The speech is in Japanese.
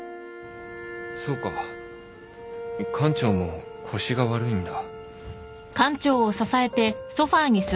そうか館長も腰が悪いんだ